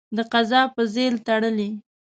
د قضا په ځېل تړلی.